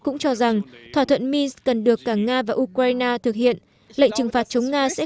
cũng cho rằng thỏa thuận mis cần được cả nga và ukraine thực hiện lệnh trừng phạt chống nga sẽ